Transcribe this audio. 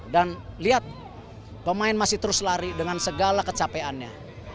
dan lihat pemain masih terus lari dengan segala kecapeannya